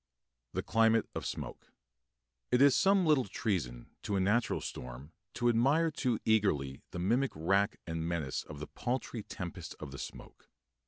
_] THE CLIMATE OF SMOKE It is some little treason to a natural storm to admire too eagerly the mimic wrack and menace of the paltry tempest of the smoke.